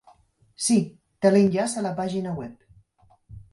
Sí, té l'enllaç a la pàgina web.